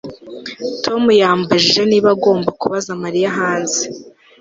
Tom yambajije niba agomba kubaza Mariya hanze